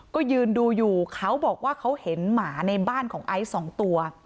ก็ยืนดูอยู่เขาบอกว่าเขาเห็นหมาในบ้านของไอซ์สองตัว